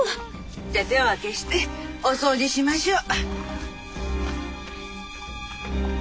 じゃあ手分けしてお掃除しましょう。